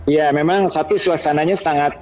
ya memang satu suasananya sangat